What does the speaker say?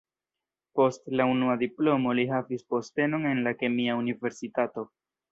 Post la unua diplomo li havis postenon en la kemia universitato.